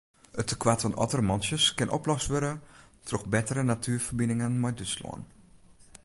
It tekoart oan ottermantsjes kin oplost wurde troch bettere natuerferbiningen mei Dútslân.